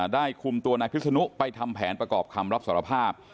คุมตัวนายพิษนุไปทำแผนประกอบคำรับสารภาพ